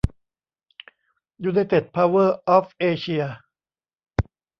ยูไนเต็ด เพาเวอร์ ออฟ เอเชีย